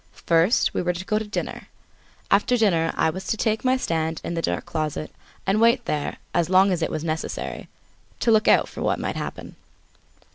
First we were to go to dinner; after dinner, I was to take my stand in the dark closet and wait there as long as it was necessary to look out for what might happen.